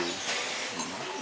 sembilan ratus an lah sekarang